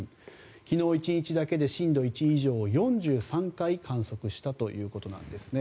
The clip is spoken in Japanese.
昨日１日だけで震度１以上を４３回観測したということなんですね。